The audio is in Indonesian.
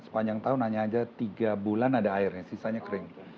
sepanjang tahun hanya saja tiga bulan ada airnya sisanya kering